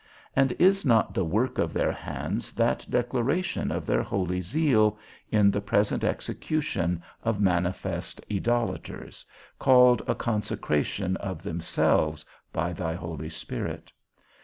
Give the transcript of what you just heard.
And is not the work of their hands that declaration of their holy zeal, in the present execution of manifest idolators, called a consecration of themselves, by thy Holy Spirit?